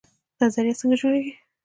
نظریه څنګه جوړیږي؟